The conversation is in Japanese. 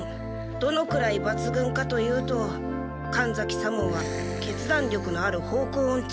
どのくらいばつぐんかと言うと神崎左門は決断力のある方向オンチ。